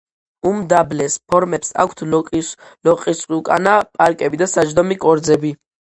უმდაბლეს ფორმებს აქვთ ლოყისუკანა პარკები და საჯდომი კორძები.